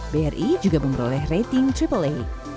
bri juga mengroleh rating aaa